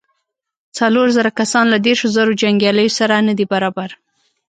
څلور زره کسان له دېرشو زرو جنګياليو سره نه دې برابر.